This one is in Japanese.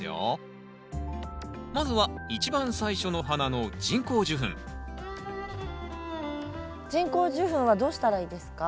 まずは一番最初の花の人工授粉人工授粉はどうしたらいいですか？